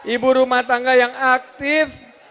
ibu rumah tangga yang aktif